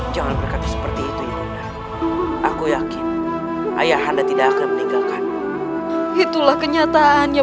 jangan berkata seperti itu ibunya aku yakin ayah anda tidak akan meninggalkanmu itulah kenyataannya